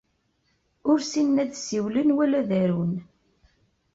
Ur ssinen ad ssiwlen wala ad arun.